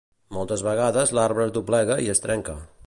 Moltes vegades l'arbre es doblega i es trenca.